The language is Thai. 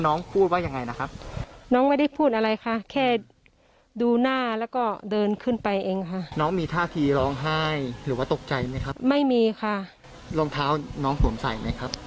รองเท้าน้องสวมใส่ไหมครับ